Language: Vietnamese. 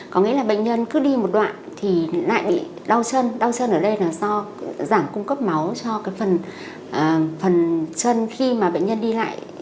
có nghĩa là bệnh nhân cứ đi một đoạn thì lại bị đau chân đau chân ở đây là do giảm cung cấp máu cho cái phần chân khi mà bệnh nhân đi lại